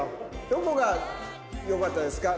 どこがよかったですか？